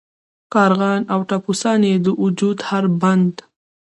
کارغان او ټپوسان یې د وجود هر بند.